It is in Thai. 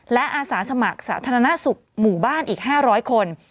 และอาสาสมัครสาธารณสุขหมู่บ้านอีก๕๐๐คน